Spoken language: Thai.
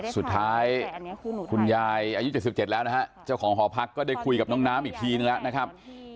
สุดท้ายคุณยายอายุ๗๗แล้วนะฮะเจ้าของหอพักก็ได้คุยกับน้องน้ำอีกทีนึงแล้วนะครับ